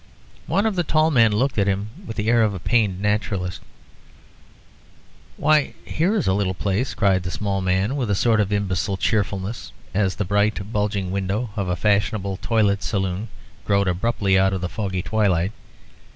One of the tall men looked at him with the air of a pained naturalist. "Why, here is a little place," cried the small man, with a sort of imbecile cheerfulness, as the bright bulging window of a fashionable toilet saloon glowed abruptly out of the foggy twilight.